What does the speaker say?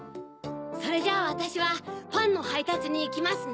それじゃあわたしはパンのはいたつにいきますね。